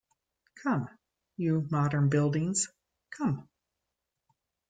Come, you Modern Buildings, come!